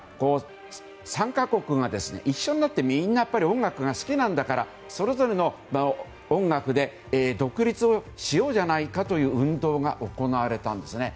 ３か国が一緒になってみんな音楽が好きなんだからそれぞれの音楽で独立をしようじゃないかという運動が行われたんですね。